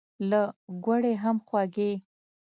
له ګوړې هم خوږې.